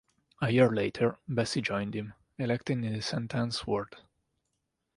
A year later Bessie joined him, elected in the Saint Anne's ward.